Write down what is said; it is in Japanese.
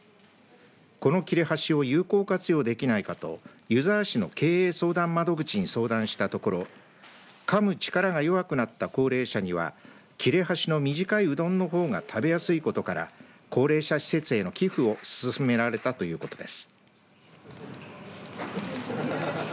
この切れ端を有効活用できないかと湯沢市の経営相談窓口に相談したところかむ力が弱くなった高齢者には切れ端の短いうどんの方が食べやすいことから高齢者施設への寄付を勧められたということです。